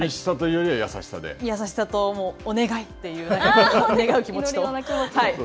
優しさと、お願いという願う気持ちと。